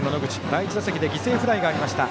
第１打席で犠牲フライがありました。